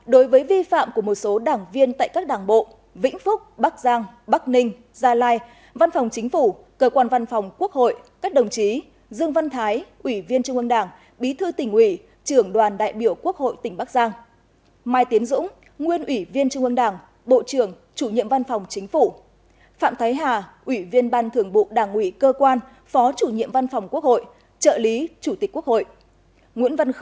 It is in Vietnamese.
ba đối với vi phạm của một số đảng viên tại các đảng bộ vĩnh phúc bắc giang bắc ninh gia lai văn phòng chính phủ cơ quan văn phòng quốc hội các đồng chí dương văn thái ủy viên trung ương đảng bí thư tỉnh ủy trường đoàn đại biểu quốc hội tỉnh bắc giang mai tiến dũng nguyên ủy viên trung ương đảng bộ trưởng chủ nhiệm văn phòng chính phủ phạm thái hà ủy viên ban thường vụ đảng ủy cơ quan phó chủ nhiệm văn phòng quốc hội trợ lý chủ tịch quốc hội nguyễn văn kh